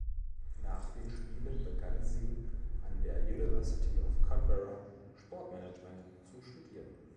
Nach den Spielen begann sie an der University of Canberra Sportmanagement zu studieren.